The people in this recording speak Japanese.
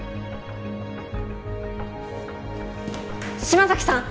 島崎さん！？